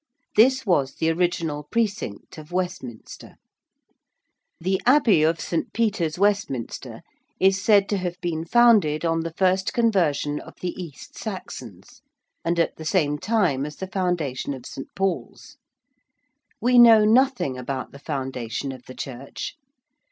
This was the original Precinct of Westminster. [Illustration: TOMB OF EDWARD III. IN WESTMINSTER ABBEY.] The Abbey of St. Peter's, Westminster, is said to have been founded on the first conversion of the East Saxons, and at the same time as the Foundation of St. Paul's. We know nothing about the foundation of the church.